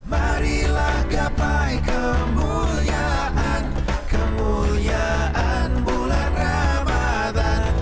marilah gapai kemuliaan kemuliaan bulan ramadhan